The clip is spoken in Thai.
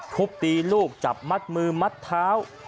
ทุบตีลูกจับมัดมือมัดเท้า